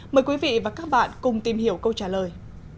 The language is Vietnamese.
mời quý vị và các bạn cùng tìm hiểu câu trả lời